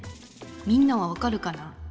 みんなは分かるかな？